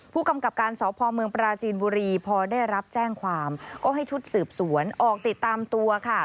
ผู้กำกับการสพเมืองปราจีนบุรีพอได้รับแจ้งความก็ให้ชุดสืบสวนออกติดตามตัวค่ะ